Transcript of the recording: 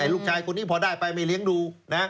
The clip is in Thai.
ลูกชายคนนี้พอได้ไปไม่เลี้ยงดู